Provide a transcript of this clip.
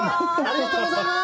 ありがとうございます！